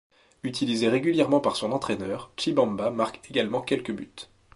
Utilisé régulièrement par son entraîneur, Tshibamba marque également quelques buts.